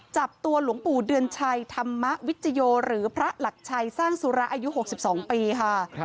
จับตัวหลวงปู่เดือนชัยธรรมวิจโยหรือพระหลักชัยสร้างสุระอายุ๖๒ปีค่ะ